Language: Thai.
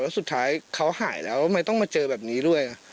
แล้วสุดท้ายเขาหายแล้วทำไมต้องมาเจอแบบนี้ด้วย